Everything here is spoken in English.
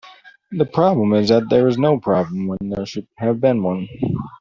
The problem is that there is no problem when there should have been one.